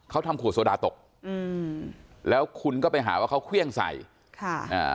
เขาทำขวดโซดาตกอืมแล้วคุณก็ไปหาว่าเขาเครื่องใส่ค่ะอ่า